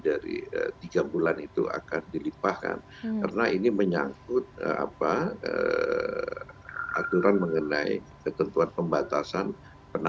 dari tiga bulan itu akan dilimpahkan karena ini menyangkut apa aturan mengenai ketentuan pembatasan